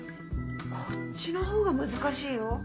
こっちの方が難しいよ？